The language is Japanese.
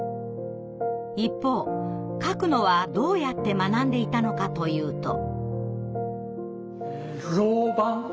一方書くのはどうやって学んでいたのかというと。